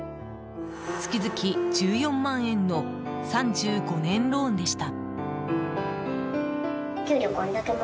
月々１４万円の３５年ローンでした。